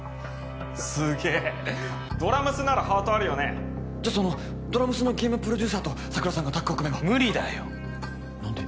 すげえドラ娘ならハートあるよねじゃあそのドラ娘のゲームプロデューサーと桜さんがタッグを組めば無理だよ何で？